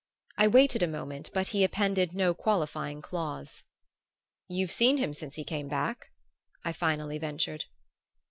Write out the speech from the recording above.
I waited a moment, but he appended no qualifying clause. "You've seen him since he came back?" I finally ventured.